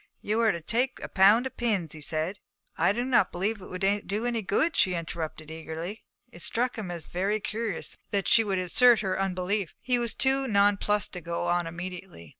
'You are to take a pound of pins,' he said. 'I do not believe it would do any good,' she interrupted eagerly. It struck him as very curious that she should assert her unbelief. He was too nonplussed to go on immediately.